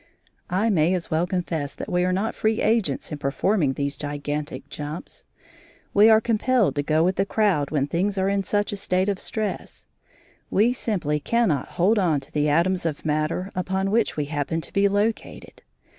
I may as well confess that we are not free agents in performing these gigantic jumps; we are compelled to go with the crowd when things are in such a state of stress. We simply cannot hold on to the atoms of matter upon which we happen to be located.